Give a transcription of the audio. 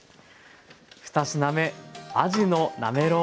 ２品目あじのなめろう。